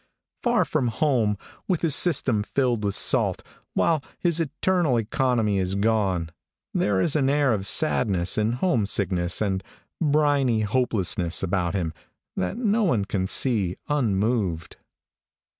Far from home, with his system filled with salt, while his internal economy is gone, there is an air of sadness and homesickness and briny hopelessness about him that no one can see unmoved.